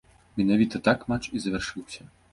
Менавіта так матч і завяршыўся.